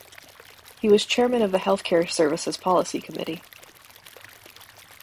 He was chairman of the Health Care Services Policy Committee.